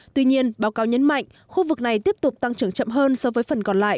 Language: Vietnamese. tuy nhiên báo cáo nhấn mạnh khu vực này tiếp tục tăng trưởng chậm hơn so với phần còn lại